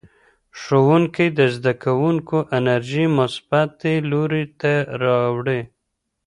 ښوونکی د زدهکوونکو انرژي مثبتې لوري ته راوړي.